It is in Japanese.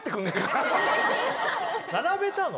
並べたの？